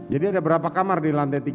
jadi ada berapa kamar di lantai tiga